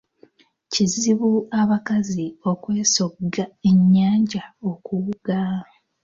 Kizibu abakazi okwesogga ennyanja okuwuga.